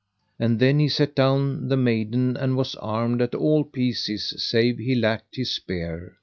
And then he set down the maiden, and was armed at all pieces save he lacked his spear.